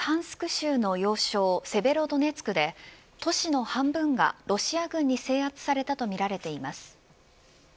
州の要衝セベロドネツクで都市の半分がロシア軍に制圧されたとみられています。